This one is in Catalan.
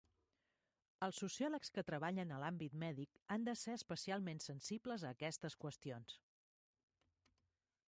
Els sociòlegs que treballen a l'àmbit mèdic han de ser especialment sensibles a aquestes qüestions.